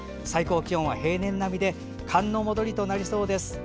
最高気温は平年並みか低く寒の戻りとなりそうです。